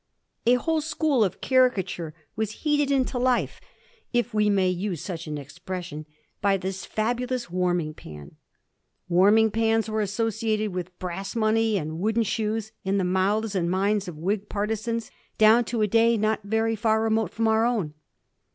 A whole school of caricature was heated into life, if Digiti zed by Google 1714 WOODEN SHOES AND WARMING PANS. 13 we may use such an expresBion, by this fabulous warming pan. Warming pans were associated with brass money and wooden shoes in the mouths and minds of Whig partisans down to a day not very far remote from our own.